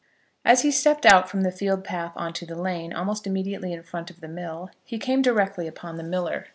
As he stepped out from the field path on to the lane, almost immediately in front of the mill, he came directly upon the miller.